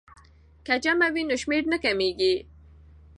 که جمع وي نو شمېر نه کمیږي.